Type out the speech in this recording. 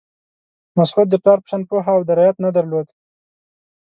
مسعود د پلار په شان پوهه او درایت نه درلود.